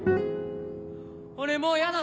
俺もうやだ